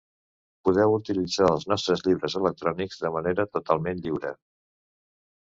Podeu utilitzar els nostres llibres electrònics de manera totalment lliure.